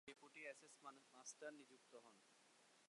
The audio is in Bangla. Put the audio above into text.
তিনি কলকাতার টাঁকশালে ডেপুটি অ্যাসেস মাস্টার নিযুক্ত হন।